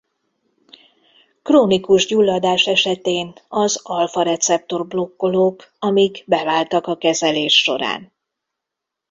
Krónikus gyulladás esetén az alfa-receptor-blokkolók amik beváltak a kezelés során.